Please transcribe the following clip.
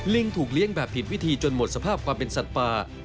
ถูกเลี้ยงแบบผิดวิธีจนหมดสภาพความเป็นสัตว์ป่า